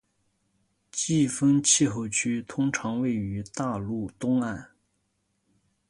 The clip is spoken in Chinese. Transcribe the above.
季风气候区通常位于大陆东岸